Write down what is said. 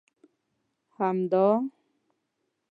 همدا!